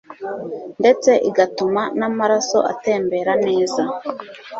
ndetse igatuma n'amaraso atembera neza